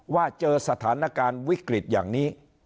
ว่าเจอสถานการณ์วิกฤตอย่างนี้